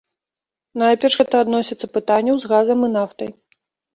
Найперш гэта адносіцца пытанняў з газам і нафтай.